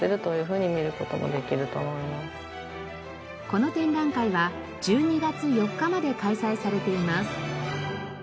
この展覧会は１２月４日まで開催されています。